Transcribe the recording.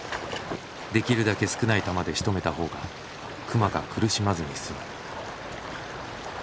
できるだけ少ない弾でしとめた方が熊が苦しまずに済む。